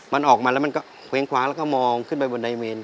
มันออกมาแล้วมันก็เคว้งคว้างแล้วก็มองขึ้นไปบนใดเมน